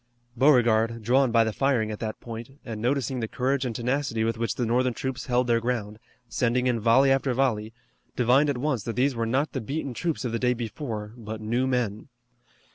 Beauregard, drawn by the firing at that point, and noticing the courage and tenacity with which the Northern troops held their ground, sending in volley after volley, divined at once that these were not the beaten troops of the day before, but new men.